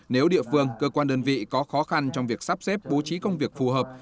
nếu địa phương cơ quan đơn vị có khó khăn trong việc sắp xếp bố trí công việc phù hợp